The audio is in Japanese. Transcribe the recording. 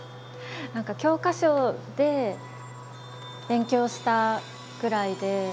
なんか、教科書で勉強したぐらいで。